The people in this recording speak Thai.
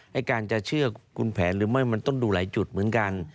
ไอ้การจะเชื่อคุณแผนหรือไม่มันต้องดูหลายจุดเหมือนกัน